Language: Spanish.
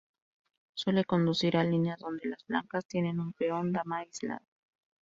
Suele conducir a líneas donde las blancas tienen un peón dama aislado.